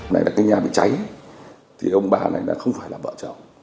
này là cái nhà bị cháy thì ông bà này đã không phải là vợ chồng